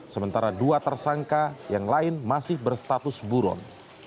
sementara dua tersangka yang lain masih berstatus buron